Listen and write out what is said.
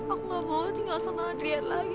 aku gak mau tinggal sama adrian lagi